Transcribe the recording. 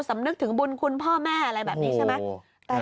สำนึกถึงบุญคุณพ่อแม่อะไรแบบนี้ใช่ไหม